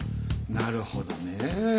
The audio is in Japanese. なるほどね。